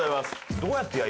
どうやってやる？